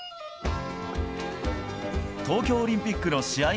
東京オリンピックの試合